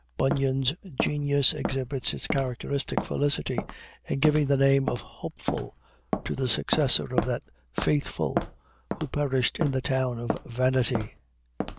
Bunyan's genius exhibits its characteristic felicity in giving the name of Hopeful to the successor of that Faithful who perished in the town of Vanity.